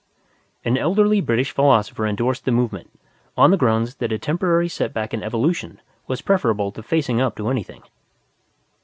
An elderly British philosopher endorsed the movement, on the grounds that a temporary setback in Evolution was preferable to facing up to anything.